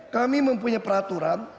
kami mempunyai peraturan